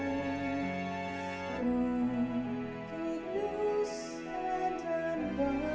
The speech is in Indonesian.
untuk nusantara bangsa